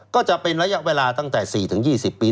ก็จะเป็นระยะเวลาตั้งแต่๔๒๐ปี